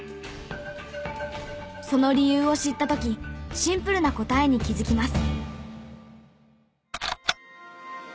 その理由を知った時シンプルな答えに気づきます。